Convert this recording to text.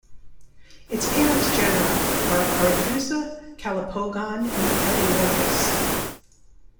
Its parents' genera are "Arethusa", "Calopogon" and "Eleorchus".